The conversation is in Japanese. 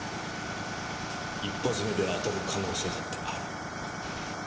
一発目で当たる可能性だってある。